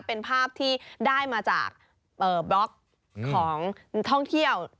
เป็นภาพที่ได้มาจากบล็อกของท่องเที่ยว